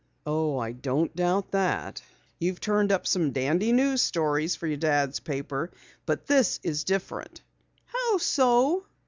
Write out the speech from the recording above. "Oh, I don't doubt that. You've turned up some dandy news stories for your father's paper. But this is different." "How so?"